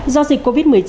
do dịch covid một mươi chín